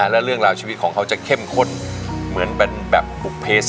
และเรื่องราวชีวิตของเขาจะเข้มข้นเหมือนเป็นแบบบุภเพศ